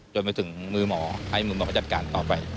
จนไปถึงมือหมอให้มือหมอเขาจัดการต่อไป